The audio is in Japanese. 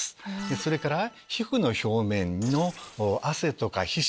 それから皮膚の表面の汗とか皮脂